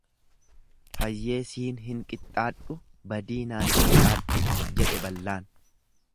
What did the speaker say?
Fayyee siin hin qixxaadhu badii naan qixxaadhu, jedhe ballaan.